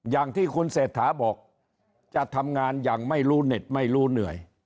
อย่างที่คุณเศรษฐาบอกจะทำงานอย่างไม่รู้เน็ตไม่รู้เหนื่อย